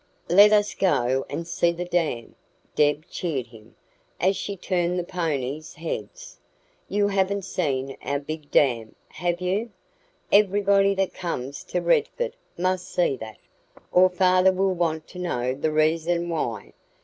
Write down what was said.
"Let us go and see the dam," Deb cheered him, as she turned the ponies' heads. "You haven't seen our big dam, have you? Everybody that comes to Redford must see that, or father will want to know the reason why.